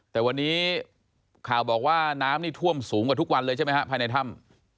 แต่วันนี้ข่าวบอกว่าน้ำนี่ท่วมสูงกว่าทุกวันเลยใช่ไหมฮะภายในถ้ำ